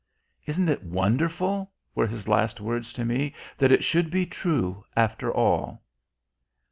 "Isn't it wonderful," were his last words to me, "that it should be true after all?"